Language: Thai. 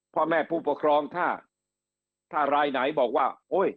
พ่อแม่ผู้ปกครองถ้ารายไหนบอกว่า